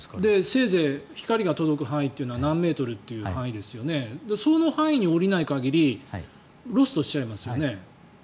せいぜい光が届く範囲は何メートルという範囲ですからその範囲に下りない限りロストしちゃいますよね。